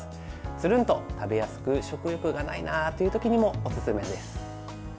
つるんと食べやすく食欲がないなという時にもおすすめです。